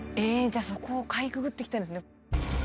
じゃあそこをかいくぐってきたんですね。